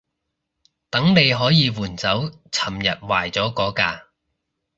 等你可以換走尋日壞咗嗰架